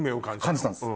感じたんです。